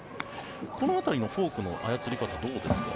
この辺りのフォークの操り方はどうですか？